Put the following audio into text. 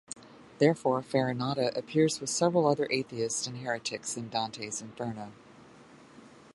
Therefore, Farinata appears with several other atheists and heretics in Dante's "Inferno".